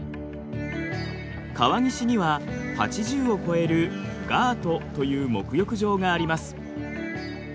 川岸には８０を超えるガートという沐浴場があります。